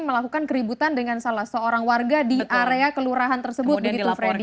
melakukan keributan dengan salah seorang warga di area kelurahan tersebut begitu freddy